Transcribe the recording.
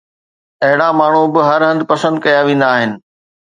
اهڙا ماڻهو به هر هنڌ پسند ڪيا ويندا آهن